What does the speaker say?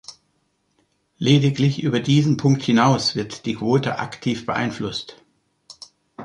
Lediglich über diesen Punkt hinaus wird die Quote aktiv beeinflusst.